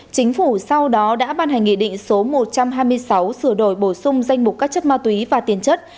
chính phủ sau đó đã ban hành nghị định số một trăm hai mươi sáu sửa đổi bổ sung danh mục các chất ma túy và tiền chất